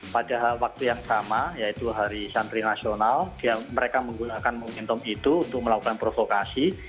pada waktu yang sama yaitu hari santri nasional mereka menggunakan momentum itu untuk melakukan provokasi